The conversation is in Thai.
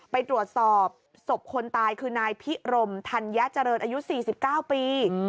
ไปตรวจสอบศพคนตายคือนายพิรมธัญเจริญอายุ๔๙ปี